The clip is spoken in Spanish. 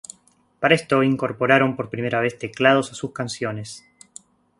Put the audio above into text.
Para esto, incorporaron por primera vez teclados a sus canciones.